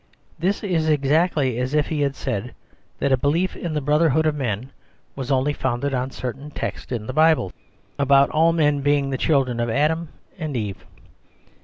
This is exactly as if he said that a belief in the brotherhood of men was only founded on certain texts in the Bible, about all men being the children of Adam and Eve.